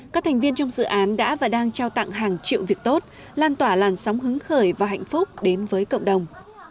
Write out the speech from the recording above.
các thành viên trong dự án đã và đang trao tặng hàng triệu việc tốt lan tỏa làn sóng hứng khởi và hạnh phúc đến với cộng đồng